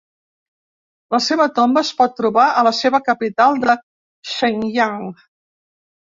La seva tomba es pot trobar a la seva capital de Shenyang.